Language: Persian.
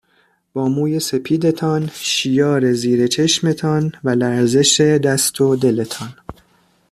با موے سپیدتان ،شیـار زیر چشمتـان و لرزش دستـــــ و دلتـــان